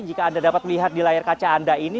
jika anda dapat melihat di layar kaca anda ini